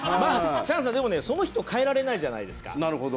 チャンさん、でもその人は変えられないじゃないですか。